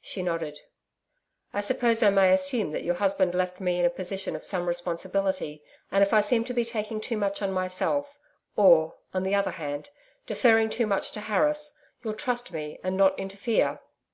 She nodded. 'I suppose I may assume that your husband left me in a position of some responsibility. And if I seem to be taking too much on myself or, on the other hand, deferring too much to Harris, you'll trust me and not interfere?'